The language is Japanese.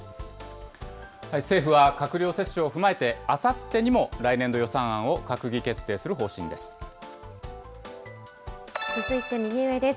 政府は、閣僚折衝を踏まえて、あさってにも来年度予算案を閣議決定する方針です。